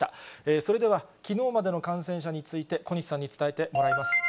それでは、きのうまでの感染者について小西さんに伝えてもらいます。